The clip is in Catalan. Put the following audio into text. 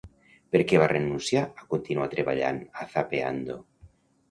Per què va renunciar a continuar treballant a "Zapeando"?